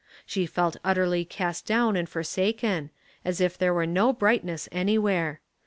She felt utterly cast down and for saken, as if there were no brightness anywhere.